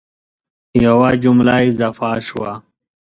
یوه جمله اضافه شوه